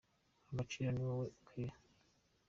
Agaciro ni wowe ukiha.